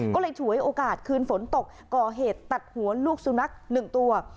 ก็เลยฉวยโอกาสคืนฝนตกก่อเหตุตัดหัวลูกสุนัขหนึ่งตัว